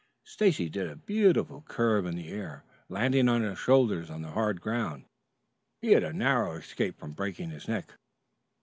Stacy did a beautiful curve in the air, landing on his shoulders on the hard ground. He had a narrow escape from breaking his neck.